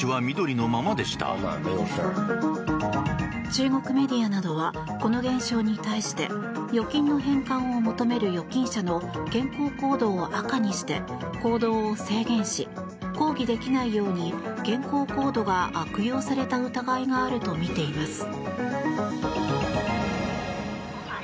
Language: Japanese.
中国メディアなどはこの現象に対して預金の返還を求める預金者の健康コードを赤にして行動を制限し抗議できないように健康コードが悪用された疑いがあるとみています。